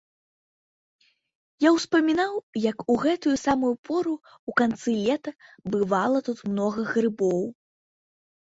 Я ўспамінаў, як у гэтую самую пору, у канцы лета, бывала тут многа грыбоў.